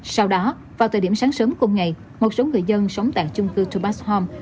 sau đó vào thời điểm sáng sớm cùng ngày một số người dân sống tại chung cư topaz home